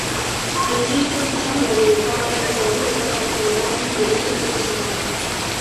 Al inicio usaron la videocámara de su abuelo para generar un producto profesional.